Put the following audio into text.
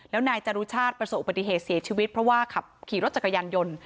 แล้วนายจรุชาติประสบอุบัติเหตุเสียชีวิตเพราะว่าขับขี่รถจักรยานยนต์